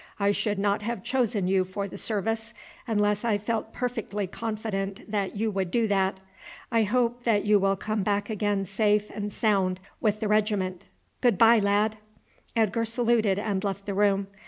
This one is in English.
I should not have chosen you for the service unless I felt perfectly confident that you would do that. I hope that you will come back again safe and sound with the regiment. Good bye, lad!" Edgar saluted and left the room.